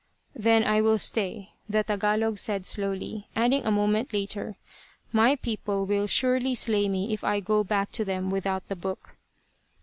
"Then I will stay," the Tagalog said slowly, adding a moment later, "My people will surely slay me if I go back to them without the book."